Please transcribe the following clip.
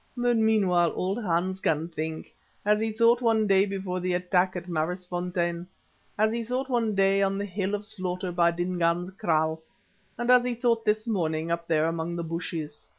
But meanwhile old Hans can think, as he thought one day before the attack on Maraisfontein, as he thought one day on the Hill of Slaughter by Dingaan's kraal, and as he thought this morning up there among the bushes.